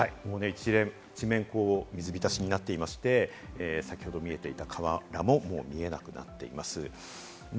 一面水浸しになっていまして、先ほど見えていた河原も見えなくなっています。